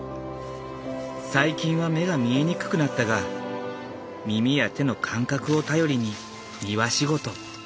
最近は目が見えにくくなったが耳や手の感覚を頼りに庭仕事。